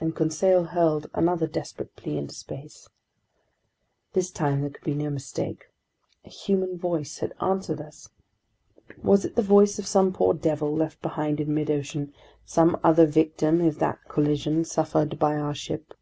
And Conseil hurled another desperate plea into space. This time there could be no mistake! A human voice had answered us! Was it the voice of some poor devil left behind in midocean, some other victim of that collision suffered by our ship?